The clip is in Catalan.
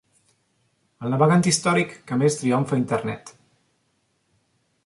El navegant històric que més triomfa a internet.